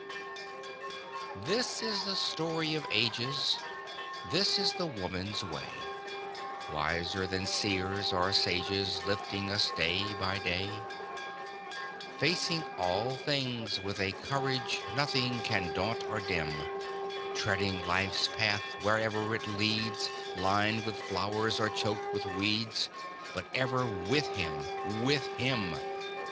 This is the story of ages, This is the Woman's way; Wiser than seers or sages, Lifting us day by day; Facing all things with a courage Nothing can daunt or dim, Treading Life's path, wherever it leads Lined with flowers or choked with weeds, But ever with him with him!